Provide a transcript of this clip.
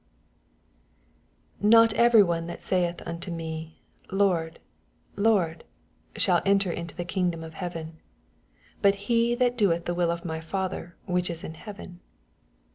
21 Not every one that saith unto me, Lord, Lord, shall enter into the kingdom of heaven ; bat he that doeth the will of my Father which is in heaven.